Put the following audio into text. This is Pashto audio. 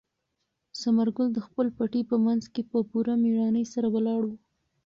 ثمر ګل د خپل پټي په منځ کې په پوره مېړانې سره ولاړ و.